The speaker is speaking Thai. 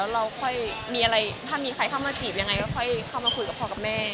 และถ้ามีใครเข้ามาจีบยังไงก็เข้ามาคุยกับพ่อกับแม่